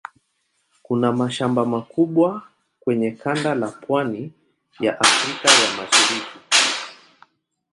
Kuna mashamba makubwa kwenye kanda la pwani ya Afrika ya Mashariki.